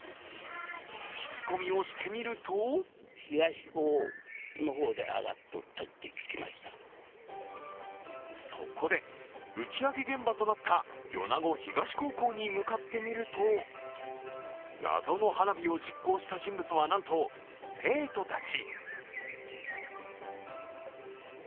聞き込みをしてみるとそこで打ち上げ現場となった米子東高校に向かってみると謎の花火を実行した人物はなんと生徒たち。